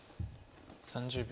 ３０秒。